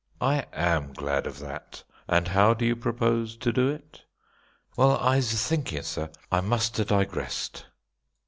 "I am glad of that. And how do you propose to do it?" "Well, I'se thinkin', sar, I must ha' digressed."